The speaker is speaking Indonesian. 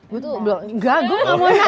gue tuh belum enggak gue mau nanya